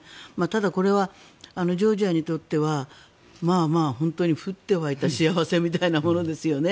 ただこれはジョージアにとってはまあまあ、降って湧いた幸せみたいなものですよね。